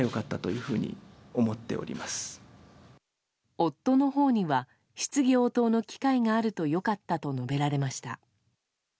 夫のほうには質疑応答の機会があると良かったと述べられました。